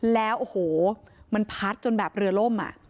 แล้วโอ้โหมันพัดจนแบบเรือล่ม